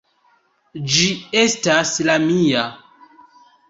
Ĝi estas la mia.